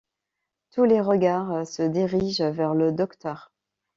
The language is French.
Tous les regards se dirigèrent vers le docteur.